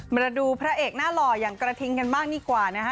มาดูพระเอกหน้าหล่ออย่างกระทิงกันบ้างดีกว่านะฮะ